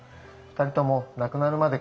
２人とも亡くなるまで